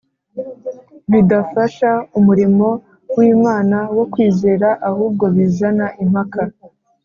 bidafasha umurimo w’Imana wo kwizera ahubwo bizana impaka.